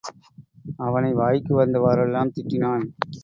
அவனை வாய்க்கு வந்தவாறெல்லாம் திட்டினான்.